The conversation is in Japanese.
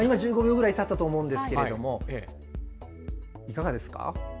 今、１５秒ぐらいたったと思うんですけれども、いかがですか。